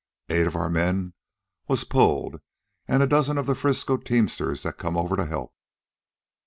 Eight of our men was pulled, an' a dozen of the Frisco teamsters that's come over to help.